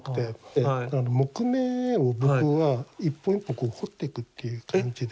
木目を僕は一本一本こう彫っていくっていう感じで。